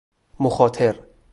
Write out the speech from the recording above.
مخاطر